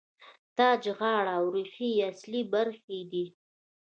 تاج، غاړه او ریښه یې اصلي برخې دي.